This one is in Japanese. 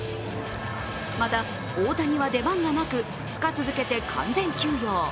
また、大谷は出番がなく２日続けて完全休養。